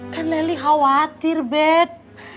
kan leli khawatir bet